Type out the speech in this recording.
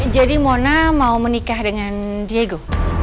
jadi mona mau menikah dengan diego